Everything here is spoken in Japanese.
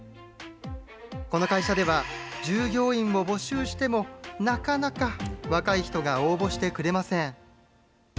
この会社では、従業員を募集しても、なかなか若い人が応募してくれません。